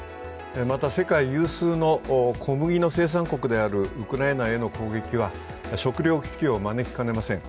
また、世界有数の小麦の生産国であるウクライナへの攻撃は食料危機を招きかねません。